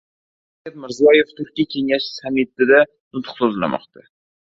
Shavkat Mirziyoyev Turkiy kengash sammitida nutq so‘zlamoqda